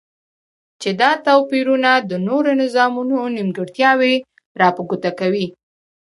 چی دا توپیر د نورو نظامونو نیمګرتیاوی را په ګوته کوی